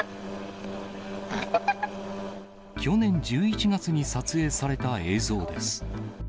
去年１１月に撮影された映像です。